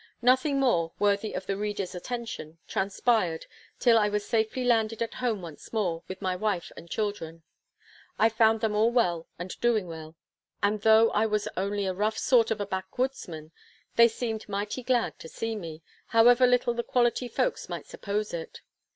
Nothing more, worthy of the reader's attention, transpired till I was safely landed at home once more with my wife and children. I found them all well and doing well; and though I was only a rough sort of a backwoodsman, they seemed mighty glad to see me, however little the quality folks might suppose it.